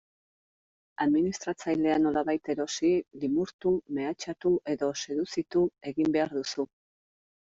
Administratzailea nolabait erosi, limurtu, mehatxatu edo seduzitu egin behar duzu.